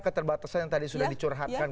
keterbatasan yang tadi sudah dicurhatkan